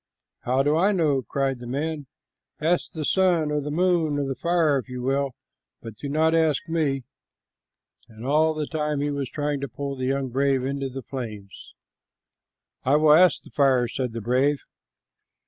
"How do I know?" cried the man. "Ask the sun or the moon or the fire if you will, but do not ask me;" and all the time he was trying to pull the young brave into the flames. "I will ask the fire," said the brave.